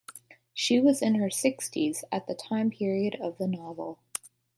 She was in her sixties at the time period of the novel.